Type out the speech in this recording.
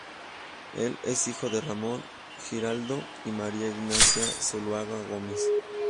Él es hijo de Ramón Giraldo y María Ignacia Zuloaga Gómez.